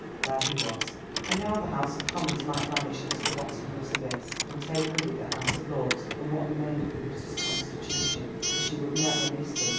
there he was. And now the House of Commons might vanish into the bottomless abyss, and take with it the House of Lords, and what remained of the British Constitution, and she would never miss them.